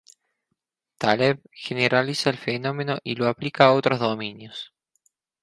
Taleb generaliza el fenómeno y lo aplica a otros dominios.